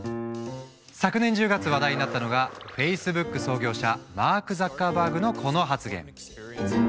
昨年１０月話題になったのがフェイスブック創業者マーク・ザッカーバーグのこの発言。